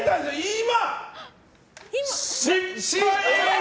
今！